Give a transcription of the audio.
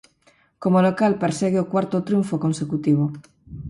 Como local persegue o cuarto triunfo consecutivo.